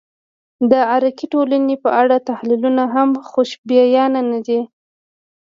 د عراقي ټولنې په اړه تحلیلونه هم خوشبینانه دي.